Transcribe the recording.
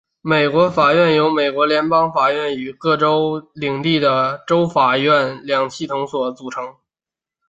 美国法院由美国联邦法院与各州或领地的州法院两系统所组成。